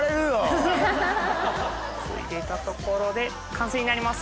入れたところで完成になります！